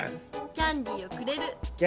「キャンディーをくれる」。